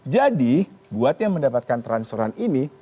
jadi buat yang mendapatkan transferan ini